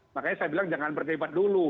makanya saya bilang jangan berdebat dulu